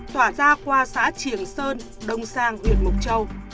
tỏa ra qua xã triển sơn đông sang huyện mộc châu